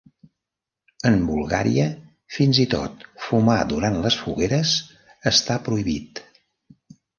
En Bulgària, fins i tot fumar durant les fogueres està prohibit.